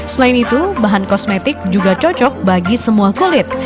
selain itu bahan kosmetik juga cocok bagi semua kulit